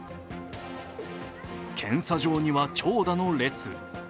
検査場には長蛇の列。